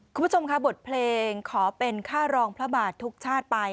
คุณผู้ชมค่ะบทเพลงขอเป็นค่ารองพระบาททุกชาติไป